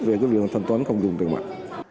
về cái việc thanh toán không dùng tiền mặt